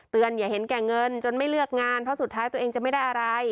อย่าเห็นแก่เงินจนไม่เลือกงานเพราะสุดท้ายตัวเองจะไม่ได้อะไร